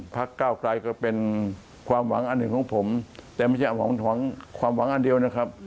ก้าวไกลก็เป็นความหวังอันหนึ่งของผมแต่ไม่ใช่ความหวังอันเดียวนะครับ